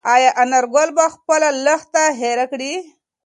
ایا انارګل به خپله لښته هېره کړي؟